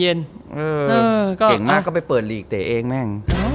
เก่งมากก็ไปเปิดหลีกเตะเองแม่ง